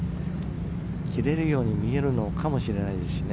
切れるように見えるかもしれないですしね。